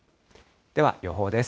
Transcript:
では、予報です。